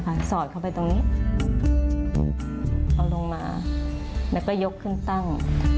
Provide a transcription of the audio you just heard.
สอดเข้าไปตรงนี้เอาลงมาแล้วก็ยกขึ้นตั้ง